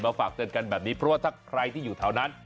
ฝากเตือนกันแบบนี้เพราะว่าถ้าใครที่อยู่แถวนั้น